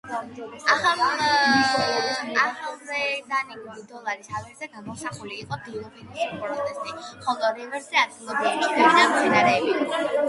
ახალზელანდიური დოლარის ავერსზე გამოსახული იყო დედოფლების პორტრეტი, ხოლო რევერსზე ადგილობრივი ჩიტები და მცენარეები.